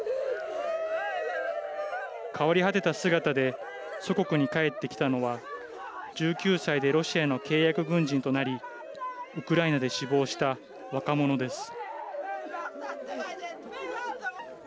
変わり果てた姿で祖国に帰ってきたのは１９歳でロシアの契約軍人となりウクライナで死亡した若者です。